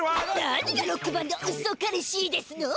何がロックバンド「ウソ彼Ｃ」ですの？